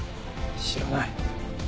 知らない。